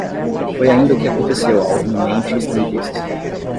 Foi ainda o que aconteceu ao eminente estadista.